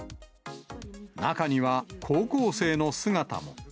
中には、高校生の姿も。